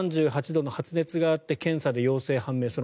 ３８度の発熱があって検査で陽性が判明。